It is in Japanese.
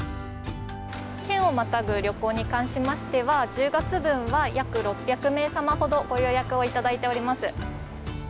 県をまたぐ旅行に関しましては、１０月分は約６００名様ほどご予約をいただいております。